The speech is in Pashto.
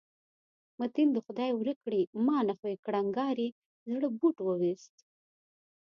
متین دې خدای ورک کړي، ما نه خو یې کړنګاري زړه بوټ وویست.